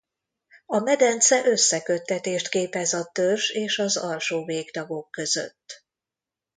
A medence összeköttetést képez a törzs és az alsó végtagok között.